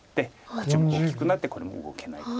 こっちも大きくなってこれも動けないと。